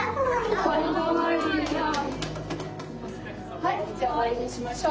はいじゃあ終わりにしましょう。